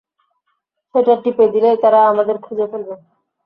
সেটা টিপে দিলেই, তারা আমাদের খুঁজে ফেলবে।